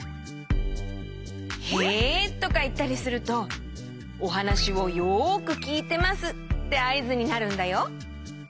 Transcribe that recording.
「へ」とかいったりするとおはなしをよくきいてますってあいずになるんだよ。